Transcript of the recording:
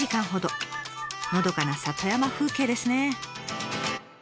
のどかな里山風景ですね。